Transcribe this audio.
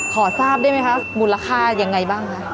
ขอทราบได้ไหมคะมูลค่ายังไงบ้างคะ